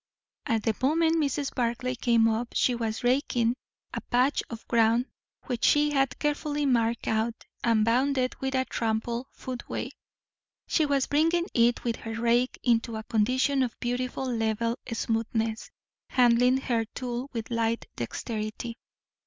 At the moment Mrs. Barclay came up, she was raking a patch of ground which she had carefully marked out, and bounded with a trampled footway; she was bringing it with her rake into a condition of beautiful level smoothness, handling her tool with light dexterity.